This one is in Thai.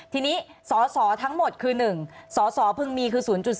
ทีนี้สสทั้งหมดคือ๑สสเพิ่งมีคือ๐๔